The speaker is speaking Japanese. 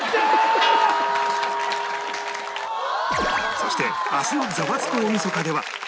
そして明日の『ザワつく！大晦日』では